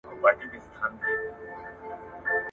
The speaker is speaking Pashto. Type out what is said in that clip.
عريضي څنګه جمع کیږي؟